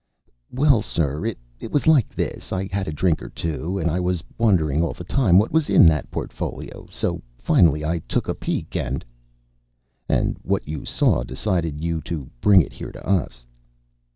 "Well, sir, it was like this. I had a drink or two and I was wondering all the time what was in that portfolio. So finally I took a peek and " "And what you saw decided you to bring it here to us."